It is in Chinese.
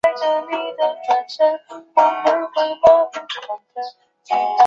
奉天城市中划出商埠地以供外国人经商居住。